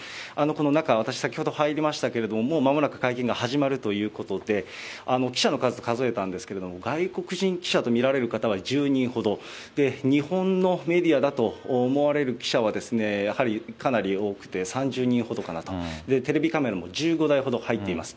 この中、私、先ほど入りましたけれども、もうまもなく会見が始まるということで、記者の数、数えたんですけれども、外国人記者と見られる方は１０人ほど、日本のメディアだと思われる記者は、やはりかなり多くて３０人ほどかなと、テレビカメラも１５台ほど入っています。